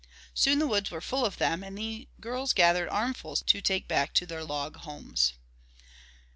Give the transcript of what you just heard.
Soon the woods were full of them, and the girls gathered armfuls to take back to their log homes.